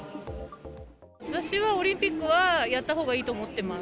私はオリンピックはやったほうがいいと思ってます。